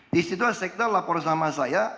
disitulah sekda lapor sama saya